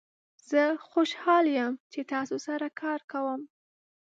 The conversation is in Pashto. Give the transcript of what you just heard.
زه خوشحال یم چې تاسو سره کار کوم.